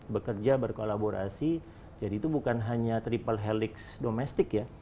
bekerja berkolaborasi jadi itu bukan hanya triple helix domestik ya